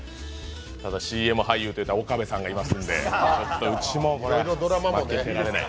ただ、ＣＭ俳優の岡部さんがいますので、こちらも負けてられない。